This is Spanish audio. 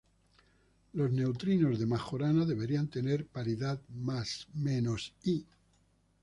Los neutrinos de Majorana deberían tener paridad ±i.